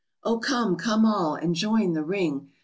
_Oh, come, come all, and join the ring!